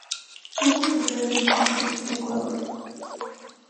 Tuvo su sede en Quito, Ecuador.